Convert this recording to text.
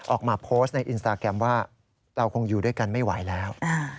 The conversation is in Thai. ออกมาโพสต์ในอินสตาแกรมว่าเราคงอยู่ด้วยกันไม่ไหวแล้ว